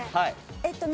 えっとね